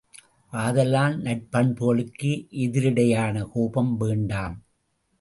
ஆதலால், நற்பண்புகளுக்கு எதிரிடையான கோபம் வேண்டாம்!